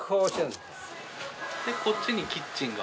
でこっちにキッチンが。